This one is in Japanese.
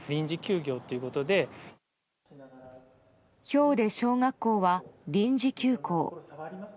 ひょうで小学校は臨時休校。